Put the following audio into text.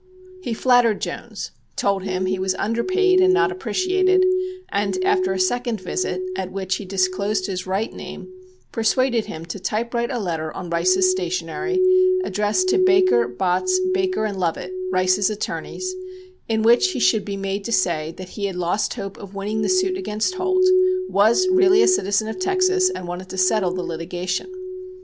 He flattered Jones; told him he was underpaid and not appreciated, and, after a second visit, at which he disclosed his right name, persuaded him to typewrite a letter on Rice's stationery addressed to Baker, Botts, Baker & Lovett (Rice's attorneys), in which he should be made to say that he had lost hope of winning the suit against Holt, was really a citizen of Texas, and wanted to settle the litigation.